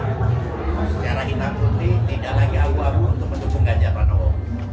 secara hitam putih tidak lagi abu abu untuk mendukung ganjar pranowo